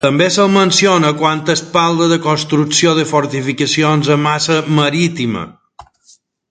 També se'l menciona quan es parla de la construcció de fortificacions a Massa Marittima.